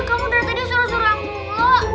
kamu dari tadi suruh suruh mulu